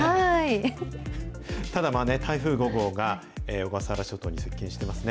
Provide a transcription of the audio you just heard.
ただ、まあね、台風５号が小笠原諸島に接近してますね。